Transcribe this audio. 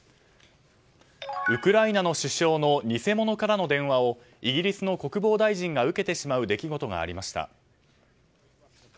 ウクライナの首相の偽者からの電話をイギリスの国防大臣が受けてしまう出来事がありました。